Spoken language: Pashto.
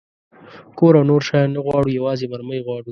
کور او نور شیان نه غواړو، یوازې مرمۍ غواړو.